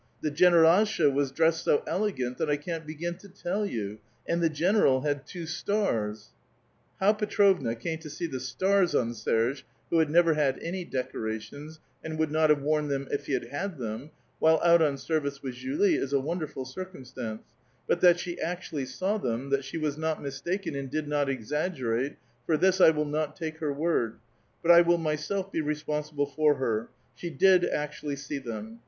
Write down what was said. The (jenerdlsha was dressed so elegant that I can't begin to tell you ; and the general had two stars !" I low Petrovna came to see the stars on Serge, who had never had any decorations, and would not have worn them if he had had them, while out on service with Julie, is a wonderful circumstance ; but that she actually saw them ; tliMt she was not mistaken, and did not exaggerate, for this 1 will not take her word ; but I will myself be responsible for her : slie did actually see tliem.